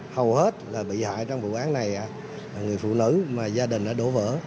hầu hết là bị hại trong vụ án này là người phụ nữ mà gia đình đã đổ vỡ